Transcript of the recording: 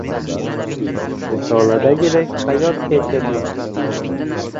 • Risoladagidek hayot kechirdim